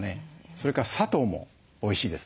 それから砂糖もおいしいです。